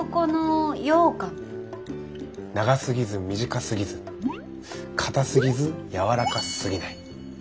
長すぎず短すぎず硬すぎず軟らかすぎない。